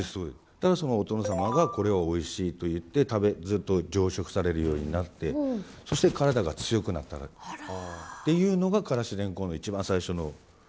だからお殿様がこれをおいしいと言ってずっと常食されるようになってそして体が強くなったっていうのがからしレンコンの一番最初の。